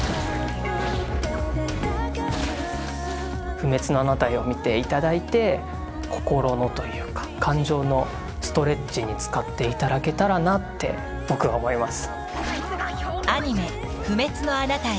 「不滅のあなたへ」を見て頂いて心のというか感情のストレッチに使って頂けたらなって僕は思います。